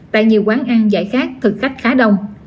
tại nhiều quán ăn giải khác thực khách khá đông